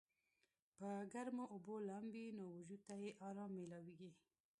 پۀ ګرمو اوبو لامبي نو وجود ته ئې ارام مېلاويږي